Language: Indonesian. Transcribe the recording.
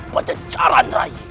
pada jalan raya